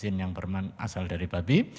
mesin yang berasal dari babi